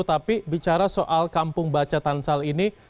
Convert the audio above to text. tapi bicara soal kampung baca tansal ini